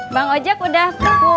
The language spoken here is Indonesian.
bang ojek udah